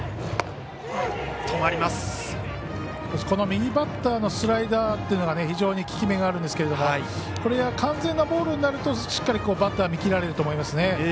この右バッターのスライダーっていうのが非常に効き目があるんですけどこれは完全なボールになるとしっかりバッターに切られると思いますね。